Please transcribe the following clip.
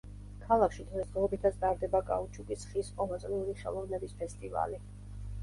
ქალაქში დღესდღეობითაც ტარდება კაუჩუკის ხის ყოველწლიური ხელოვნების ფესტივალი.